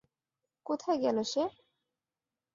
কোথায় গেল সে?